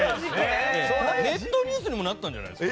ネットニュースにもなったんじゃないですか。